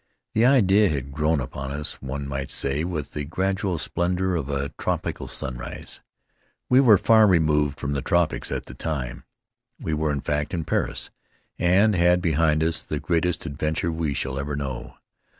The idea had grown upon us, one might say, with the gradual splendor of a tropical sunrise. We were far re moved from the tropics at that time. We were, in fact, in Paris and had behind us the greatest adventure we shall ever know.